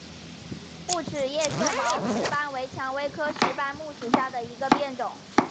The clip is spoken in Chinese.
木齿叶锈毛石斑为蔷薇科石斑木属下的一个变种。